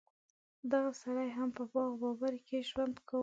دغه سړي هم په باغ بابر کې ژوند کاوه.